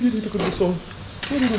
tidak tidak tidak tidak